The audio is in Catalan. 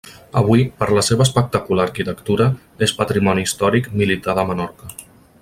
Avui, per la seva espectacular arquitectura, és Patrimoni Històric Militar de Menorca.